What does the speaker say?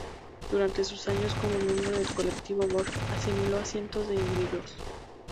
Durante sus años como miembro del colectivo Borg, asimiló a cientos de individuos.